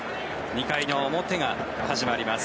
２回の表が始まります。